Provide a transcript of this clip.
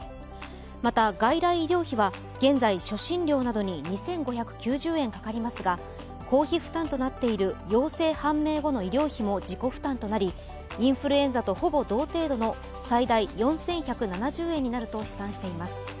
また、外来医療費は現在、初診料などに２５９０円かかりますが公費負担となっている陽性判明後の医療費も自己負担となり、インフルエンザとほぼ同程度の最大４１７０円になると試算しています。